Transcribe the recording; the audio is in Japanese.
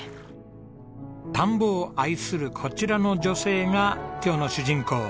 田んぼを愛するこちらの女性が今日の主人公